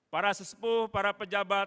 para sesepuh para pejabat